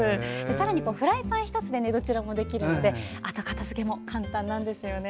さらにフライパン１つでどちらも作れるので後片づけも簡単なんですよね。